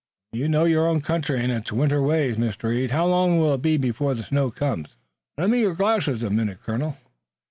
"You know your own country and its winter ways, Mr. Reed. How long will it be before the snow comes?" "Lend me your glasses a minute, colonel."